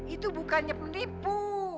itu bukannya penipu